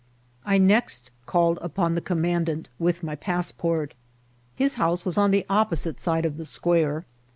I next called upon the commandant with my pass port. His house was on the opposite side of the square.